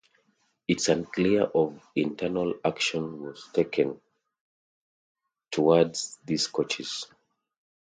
It is unclear if internal action was taken towards these coaches.